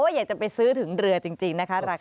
อยากจะไปซื้อถึงเรือจริงนะคะราคานี้